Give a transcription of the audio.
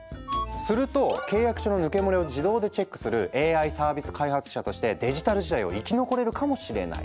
すると契約書の抜け漏れを自動でチェックするＡＩサービス開発者としてデジタル時代を生き残れるかもしれない。